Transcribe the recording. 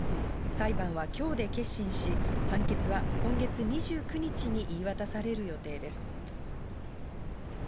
裁判はきょうで結審し、判決は今月２９日に言い渡される予定です。